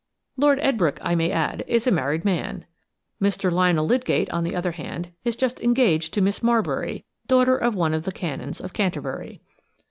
Lord Edbrooke, I may add, is a married man. Mr. Lionel Lydgate, on the other hand, is just engaged to Miss Marbury, daughter of one of the canons of Canterbury.